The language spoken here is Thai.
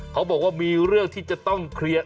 เขาบอกว่ามีเรื่องที่จะต้องเคลียร์